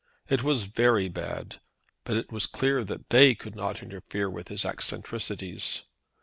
It was very bad, but it was clear that they could not interfere with his eccentricities.